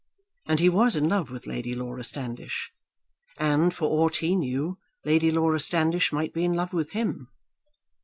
And he was in love with Lady Laura Standish; and, for aught he knew, Lady Laura Standish might be in love with him.